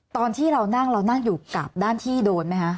ตอนที่เรานั่งเรานั่งอยู่กับด้านที่โดนไหมคะ